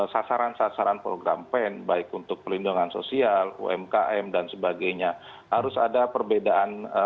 sasaran sasaran program pen baik untuk pelindungan sosial umkm dan sebagainya harus ada perbedaan